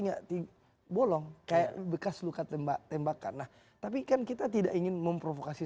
nyati bolong kayak bekas luka tembak tembakan nah tapi kan kita tidak ingin memprovokasi